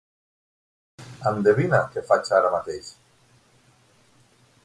Endevina què faig ara mateix.